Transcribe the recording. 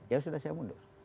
ya sudah saya mundur